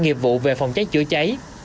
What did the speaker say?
nghiệp vụ về phòng cháy chữa cháy